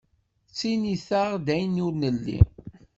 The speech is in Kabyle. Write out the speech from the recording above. Ttiniteɣ-d ayen ur nelli.